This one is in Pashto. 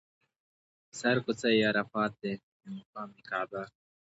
سر کوڅه یې عرفات دی او مقام یې کعبه.